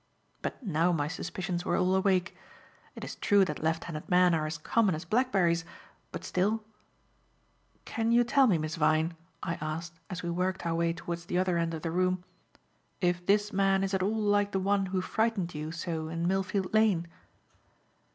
But now my suspicions were all awake. It is true that left handed men are as common as blackberries; but still "Can you tell me, Miss Vyne," I asked, as we worked our way towards the other end of the room, "if this man is at all like the one who frightened you so in Millfield Lane?"